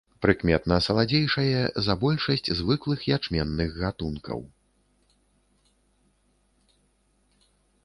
Прыкметна саладзейшае за большасць звыклых ячменных гатункаў.